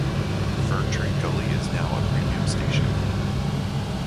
Ferntree Gully is now a premium station.